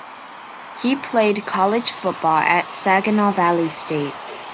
He played college football at Saginaw Valley State.